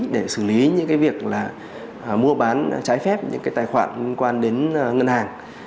để xử lý những cái việc là mua bán trái phép những cái tài khoản liên quan đến ngân hàng